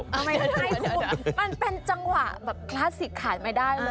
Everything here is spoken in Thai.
มันเป็นจังหวะคลาสสิทธิ์ขาดไม่ได้เลย